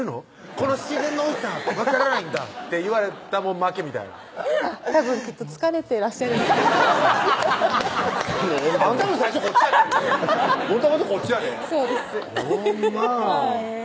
「この自然のおいしさ分からないんだ」って言われたもん負けみたいなたぶんきっと疲れてらっしゃるあんたも最初こっちやってんでもともとこっちやでそうですフフフフッ